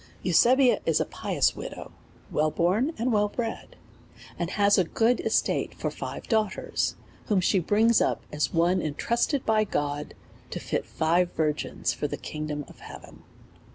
Eusebia is a pious widow, well born, and well bred, and has a good estate for five daughters, whom she brings up as one instructed by God, to fit five virgins for the kingdom of heaven.